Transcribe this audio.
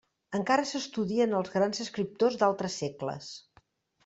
Encara s'estudien els grans escriptors d'altres segles.